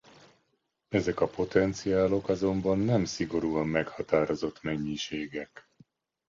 Ezek a potenciálok azonban nem szigorúan meghatározott mennyiségek.